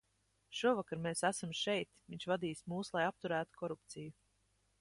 Šovakar mēs esam šeit, viņš vadīs mūs, lai apturētu korupciju.